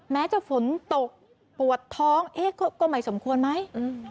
แม้จะฝนตกปวดท้องเอ๊ะก็ไม่สมควรไหม